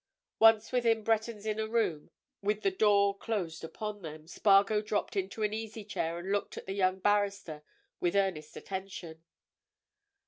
Once within Breton's inner room, with the door closed upon them, Spargo dropped into an easy chair and looked at the young barrister with earnest attention.